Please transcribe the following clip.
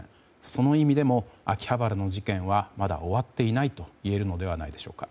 その意味でも、秋葉原の事件はまだ終わっていないといえるのではないでしょうか。